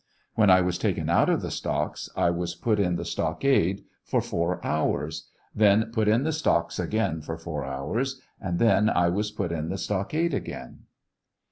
When I was taken out of the stocks !■ was put in the stockade for four hours ; then put in the stocks again for four hours, and then I was put in the stockade again.